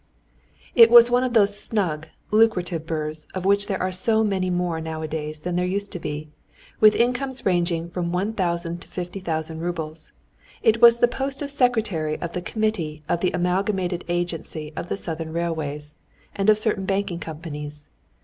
It was one of those snug, lucrative berths of which there are so many more nowadays than there used to be, with incomes ranging from one thousand to fifty thousand roubles. It was the post of secretary of the committee of the amalgamated agency of the southern railways, and of certain banking companies.